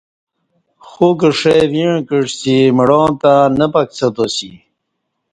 خوکہ ݜئ ویݩع کعسی مڑاں تہ نہ پکڅہ تاسی